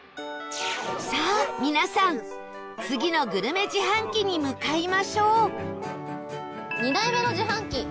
さあ、皆さん次のグルメ自販機に向かいましょう２台目の自販機。